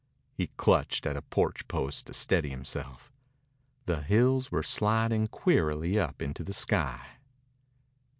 He clutched at a porch post to steady himself. The hills were sliding queerly up into the sky.